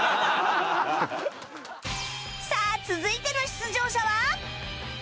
さあ続いての出場者は